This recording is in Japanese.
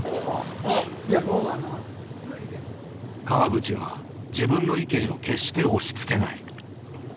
川口は自分の意見を決して押しつけない。